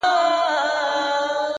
څلوېښتم کال دی!!